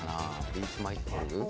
リーチマイケル。